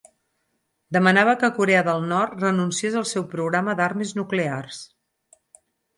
Demanava que Corea del Nord renunciés al seu programa d'armes nuclears.